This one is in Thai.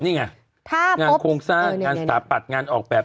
นี่ไงงานโครงสร้างงานสถาปัตย์งานออกแบบ